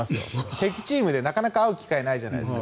敵チームでなかなか会う機会がないじゃないですか。